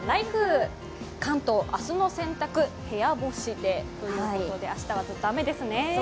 関東、明日の洗濯部屋干しでということで明日はずっと雨ですね。